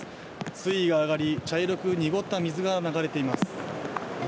水位は上がり茶色く濁った水が流れています。